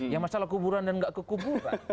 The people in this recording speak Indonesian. yang masalah kuburan dan gak kekuburan